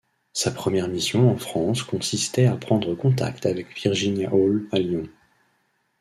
Sa première mission en France consistait à prendre contact avec Virginia Hall, à Lyon.